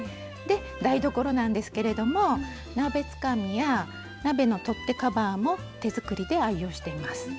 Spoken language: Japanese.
で台所なんですけれども鍋つかみや鍋の取っ手カバーも手作りで愛用しています。